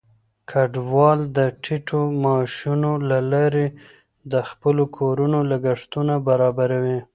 کډوال د ټیټو معاشونو له لارې د خپلو کورونو لګښتونه برابروي.